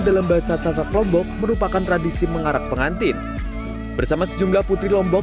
dalam bahasa sasak lombok merupakan tradisi mengarak pengantin bersama sejumlah putri lombok